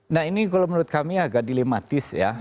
nah ini kalau menurut kami agak dilematis ya